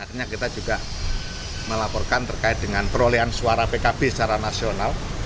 akhirnya kita juga melaporkan terkait dengan perolehan suara pkb secara nasional